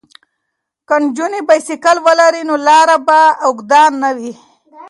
که نجونې بایسکل ولري نو لاره به اوږده نه وي.